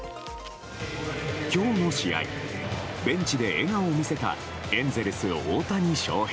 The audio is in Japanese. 今日の試合ベンチで笑顔を見せたエンゼルス、大谷翔平。